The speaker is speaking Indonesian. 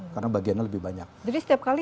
karena bagiannya lebih banyak jadi setiap kali